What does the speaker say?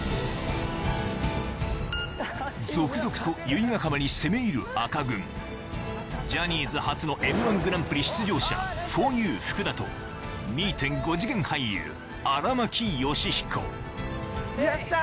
続々と由比ヶ浜に攻め入る赤軍ジャニーズ初の『Ｍ−１グランプリ』出場者ふぉゆ・福田と２．５次元俳優荒牧慶彦やった！